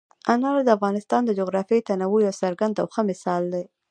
انار د افغانستان د جغرافیوي تنوع یو څرګند او ښه مثال دی.